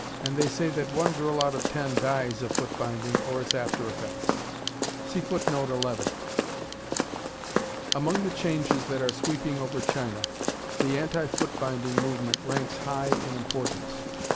And they say that one girl out of ten dies of foot binding or its after effects." Among the changes that are sweeping over China, the Anti foot binding Movement ranks high in importance.